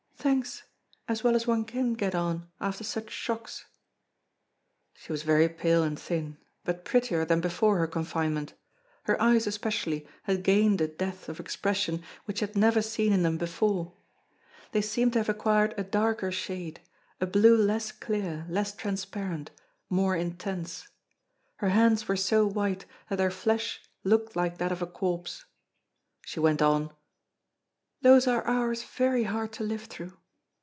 "Thanks. As well as one can get on, after such shocks!" She was very pale and thin, but prettier than before her confinement. Her eyes especially had gained a depth of expression which he had never seen in them before. They seemed to have acquired a darker shade, a blue less clear, less transparent, more intense. Her hands were so white that their flesh looked like that of a corpse. She went on: "Those are hours very hard to live through.